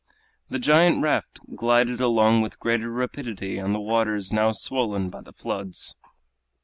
The giant raft glided along with greater rapidity on the waters now swollen by the floods.